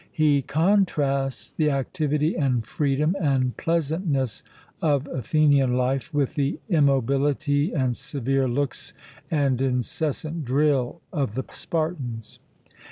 He contrasts the activity and freedom and pleasantness of Athenian life with the immobility and severe looks and incessant drill of the Spartans.